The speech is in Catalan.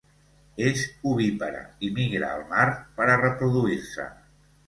És ovípara i migra al mar per a reproduir-se.